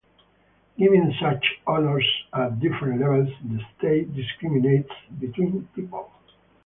Giving such honours at different levels, the State discriminates between people.